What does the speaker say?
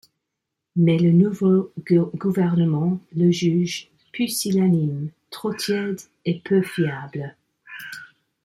Mais le nouveau gouvernement le juge pusillanime, trop tiède et peu fiable.